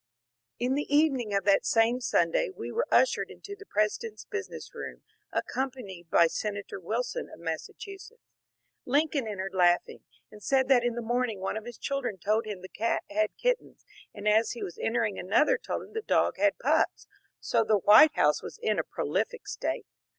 '' In the evening of that same Sunday we were ushered into the President's business room, accompanied by Senator Wil son of Massachusetts. Lincoln entered laughing, and said that in the morning one of his children told him the cat had kit tens, and as he was entering another told him the dog had pups, so the White House was in a prolific state.